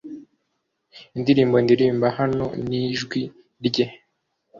Indirimbo ndirimba hano nijwi rye